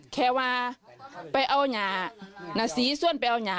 ก็เลยพา